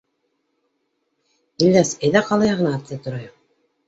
— Ильяс, әйҙә ҡала яғына атлай торайыҡ.